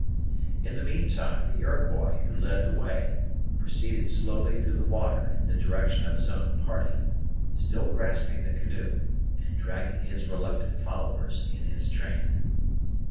In the meantime, the Iroquois, who led the way, proceeded slowly through the water in the direction of his own party, still grasping the canoe, and dragging his reluctant followers in his train.